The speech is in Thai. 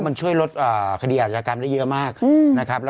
มันช่วยลดคดีอาจยากรรมได้เยอะมากนะครับ